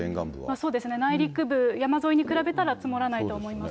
そうですね、内陸部、山沿いに比べたら積もらないと思います